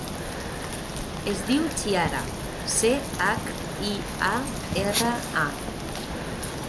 Es diu Chiara: ce, hac, i, a, erra, a.